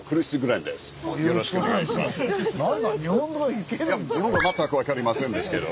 いや日本語全く分かりませんですけど。